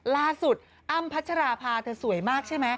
ล่าสุดอ้ำพัชราภาเธอสวยมากใช่ไหม